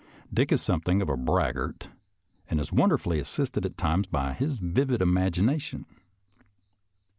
Dick is something of a braggart and is wonderfully assisted at times by a vivid imagina tion.